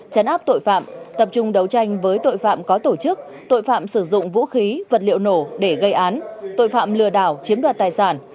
chấn áp tội phạm tập trung đấu tranh với tội phạm có tổ chức tội phạm sử dụng vũ khí vật liệu nổ để gây án tội phạm lừa đảo chiếm đoạt tài sản